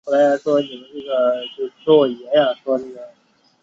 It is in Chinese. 每一条脑沟在解剖学上都有专有名称。